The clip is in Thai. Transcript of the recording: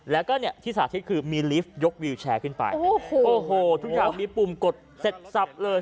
แล้วก็เนี่ยที่สาธิตคือมีลิฟต์ยกวิวแชร์ขึ้นไปโอ้โหทุกอย่างมีปุ่มกดเสร็จสับเลย